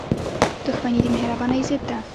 • دښمني د مهربانۍ ضد ده.